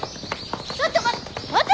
ちょっと待っ待って！